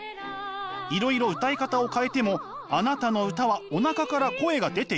「いろいろ歌い方を変えてもあなたの歌はおなかから声が出ていない。